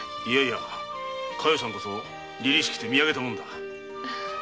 加代さんこそ凛々しくて見上げたものだ。